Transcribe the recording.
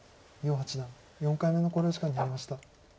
余八段４回目の考慮時間に入りました。